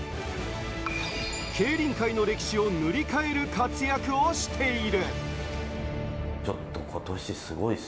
競輪界の歴史を塗り替える活躍をしている。